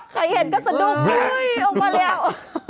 ใครเห็นก็สะดุ้งออกมาแล้ว